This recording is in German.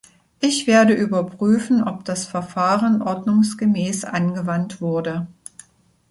Ich werde überprüfen, ob das Verfahren ordnungsgemäß angewandt wurde.